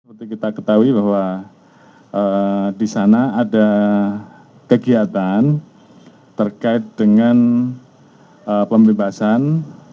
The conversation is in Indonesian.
seperti kita ketahui bahwa di sana ada kegiatan terkait dengan pembebasan